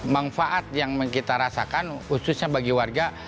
manfaat yang kita rasakan khususnya bagi warga